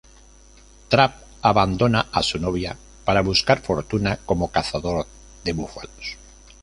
Trapp abandona a su novia para buscar fortuna como cazador de búfalos.